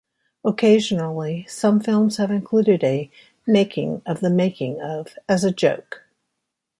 Occasionally, some films have included a "making of the making-of" as a joke.